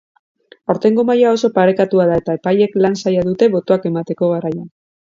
Aurtengo maila oso parekatua da eta epaileek lan zaila dute botoak emateko garaian.